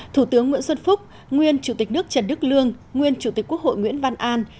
thủ tướng nguyễn xuân phúc nguyên chủ tịch nước trần đức lương nguyên chủ tịch quốc hội nguyễn văn an